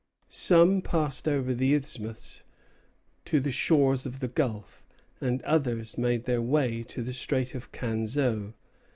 Some passed over the isthmus to the shores of the gulf, and others made their way to the Strait of Canseau.